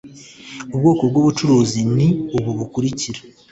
Ubwoko bw ubucuruzi ni ubu bukurikira.